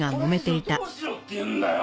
これ以上どうしろって言うんだよ！